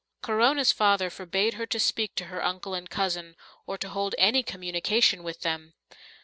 Corona's father forbade her to speak to her uncle and cousin or to hold any communication with them.